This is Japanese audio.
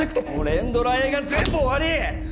連ドラ映画全部終わり！